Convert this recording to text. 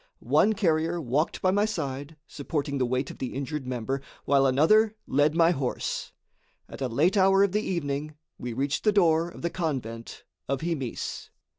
One carrier walked by my side, supporting the weight of the injured member, while another led my horse. At a late hour of the evening we reached the door of the convent of Himis.